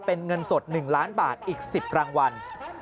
เป็นเงินสด๑ล้านบาทอีก๑๐รางวัล